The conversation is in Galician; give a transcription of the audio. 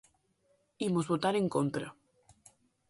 Imos votar en contra.